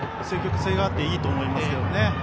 積極性があっていいと思いますけどね。